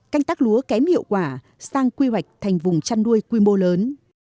canh tác lúa kém hiệu quả sang quy hoạch thành vùng chăn nuôi quy mô lớn